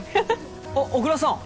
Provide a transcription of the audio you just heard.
・あっ小椋さん！